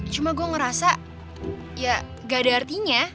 cuma gue ngerasa ya gak ada artinya